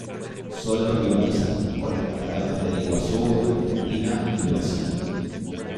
Sólo rivalizan con las cataratas del Iguazú en Argentina y Brasil.